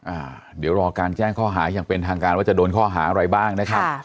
อ่าเดี๋ยวรอการแจ้งข้อหาอย่างเป็นทางการว่าจะโดนข้อหาอะไรบ้างนะครับค่ะ